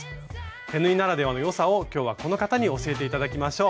手縫いならではの良さを今日はこの方に教えて頂きましょう。